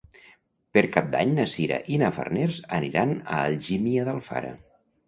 Per Cap d'Any na Sira i na Farners aniran a Algímia d'Alfara.